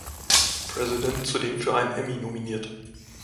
President" zudem für einen Emmy nominiert.